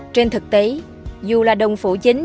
trên thực tế dù là đồng phủ chính